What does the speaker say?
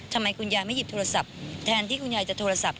ทำไมคุณยายไม่หยิบโทรศัพท์แทนที่คุณยายจะโทรศัพท์